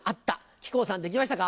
木久扇さんできましたか？